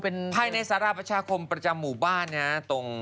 ภายในสาระประชาคมประจำหมู่บ้าน